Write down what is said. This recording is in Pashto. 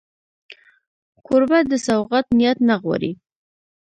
کوربه د سوغات نیت نه غواړي.